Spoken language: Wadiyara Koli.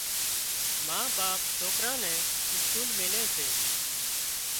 ما ٻاپ سوڪران نين اسڪول ميلي سي۔